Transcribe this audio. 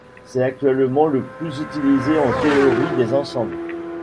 C'est actuellement le plus utilisé en théorie des ensembles.